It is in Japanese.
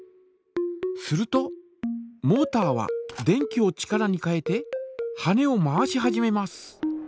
するとモータは電気を力に変えて羽根を回し始めます。